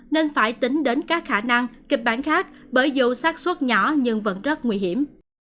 nên phải tính đến các khả năng kịch bản khác bởi dù sát xuất nhỏ nhưng vẫn rất nguy hiểm